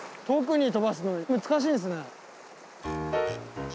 遠くに飛ばすの難しいですね。